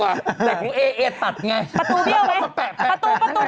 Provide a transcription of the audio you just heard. แต่พูดเอ๋เอ๋ตัดไง